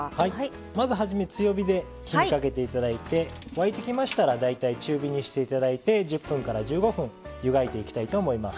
まずはじめ強火で火にかけて頂いて沸いてきましたら大体中火にして頂いて１０分から１５分湯がいていきたいと思います。